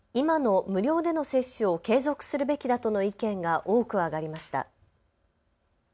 この中で今の無料での接種を継続するべきだとの意見が多く挙がりました。